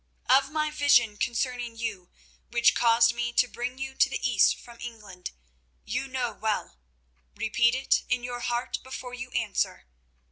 "Of my vision concerning you, which caused me to bring you to the East from England, you know well. Repeat it in your heart before you answer.